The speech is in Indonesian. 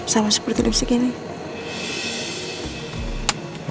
sama seperti lipsticknya nih